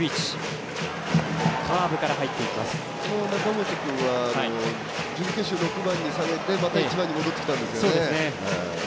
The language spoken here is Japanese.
中本君は準決勝、６番に下げてまた１番に戻ってきたんですよね。